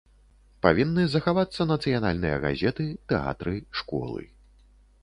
Павінны захавацца нацыянальныя газеты, тэатры, школы.